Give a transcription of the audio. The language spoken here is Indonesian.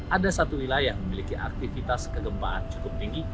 ada satu wilayah yang memiliki aktivitas kegembaan cukup tinggi